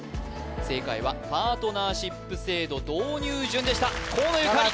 正解はパートナーシップ制度導入順でした河野ゆかり